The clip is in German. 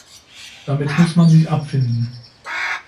Damit muss man sich abfinden.